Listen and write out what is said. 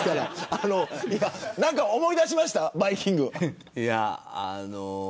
何か思い出しましたかバイキング。